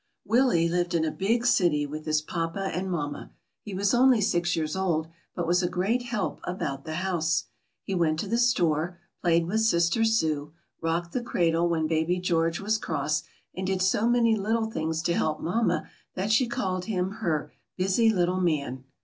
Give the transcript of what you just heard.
Willie lived in a big city with his papa and mamma. He was only six years old, but was a great help about the house. He went to the store, played with sister Sue, rocked the cradle when baby George was cross, and did so many little things to help mamma that she called him her ^^busy little man.